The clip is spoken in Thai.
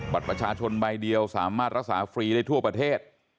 บัตรประชาชนใบเดียวสามารถรักษาฟรีได้ทั่วประเทศ